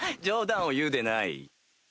冗談を言うでない。